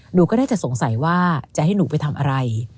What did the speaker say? หนูก็ได้จะสงสัยว่าจะให้หนูไปทำอะไร